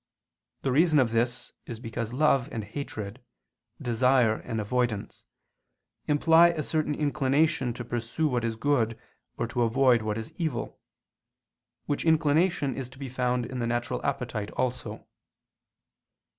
The reason of this is because love and hatred, desire and avoidance, imply a certain inclination to pursue what is good or to avoid what is evil; which inclination is to be found in the natural appetite also.